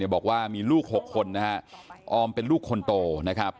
บอกว่ามีลูก๖คนนะฮะออมเป็นลูกคนโตนะครับ